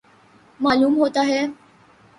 معلوم ہوتا ہے